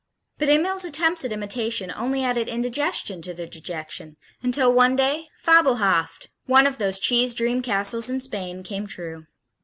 But Emil's attempts at imitation only added indigestion to their dejection, until one day fabelhaft! One of those cheese dream castles in Spain came true.